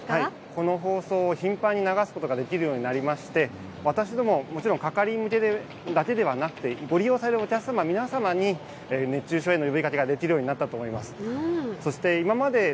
この放送を頻繁に流すことができるようになりまして私ども係員向けだけではなくてご利用される皆様に熱中症対策の呼びかけができるようになったと思います。